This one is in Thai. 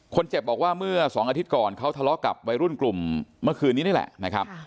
คนเจ็บบอกว่าเมื่อ๒อาทิตย์ก่อนเขาทะเลาะกับวัยรุ่นกลุ่มเมื่อคืนนี้นี่แหละนะครับ